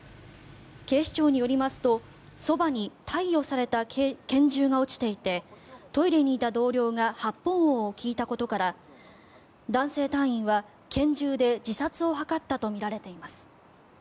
警視庁によりますとそばに貸与された拳銃が落ちていてトイレにいた同僚が発砲音を聞いたことから男性隊員は拳銃で自殺を図ったとみられています。